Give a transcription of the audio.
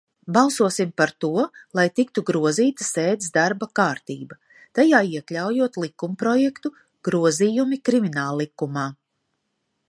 "Balsosim par to, lai tiktu grozīta sēdes darba kārtība, tajā iekļaujot likumprojektu "Grozījumi Krimināllikumā"!"